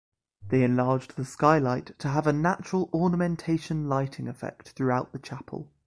They enlarged the skylight to have a natural ornamentation lighting effect throughout the chapel.